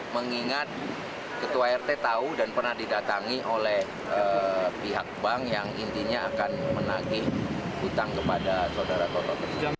mengingat ketua rt tahu dan pernah didatangi oleh pihak bank yang intinya akan menagih hutang kepada saudara toto tersebut